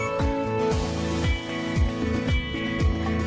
ที่